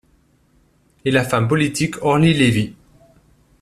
Et la femme politique Orly Levy.